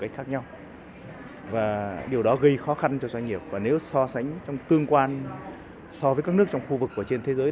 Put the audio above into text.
so với các nước trong khu vực trên thế giới